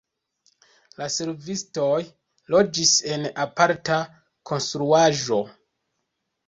La servistoj loĝis en aparta konstruaĵo.